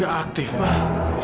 gak aktif pak